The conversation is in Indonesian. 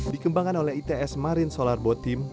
dikembangkan oleh its marine solar boat team